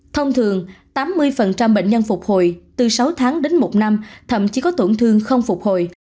thông thường tám mươi bệnh nhân phục hồi từ sáu tháng đến một năm thậm chí có tổn thương không phục hồi